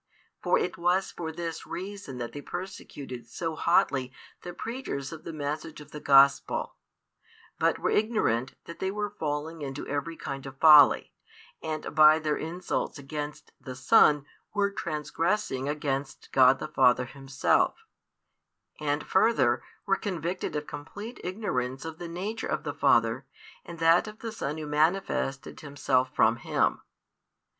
For it was for this reason that they persecuted so hotly the preachers of the message of the Gospel, but were ignorant that they were falling into every kind of folly, and by their insults against the Son were transgressing against God the Father Himself, and further, were convicted of complete ignorance of the Nature of the Father and that of the Son Who manifested Himself from Him.